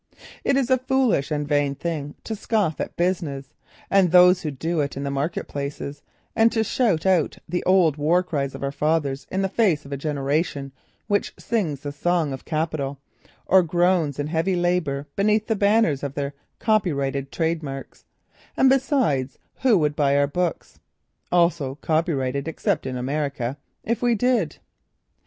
It is a foolish and vain thing to scoff at business and those who do it in the market places, and to shout out the old war cries of our fathers, in the face of a generation which sings the song of capital, or groans in heavy labour beneath the banners of their copyrighted trade marks; and besides, who would buy our books (also copyrighted except in America) if we did?